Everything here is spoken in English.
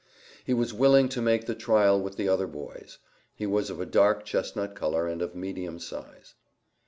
He was willing to make the trial with the other boys. He was of a dark chestnut color, and of medium size.